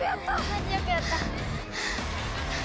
マジよくやった。